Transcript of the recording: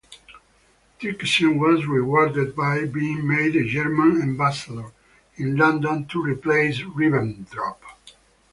Dirksen was rewarded by being made the German ambassador in London to replace Ribbentrop.